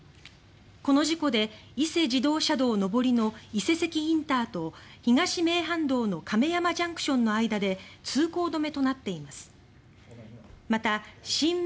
この事故で、伊勢自動車道上りの伊勢崎ＩＣと東名阪道の亀山ＪＣＴの間で通行止めとなっています。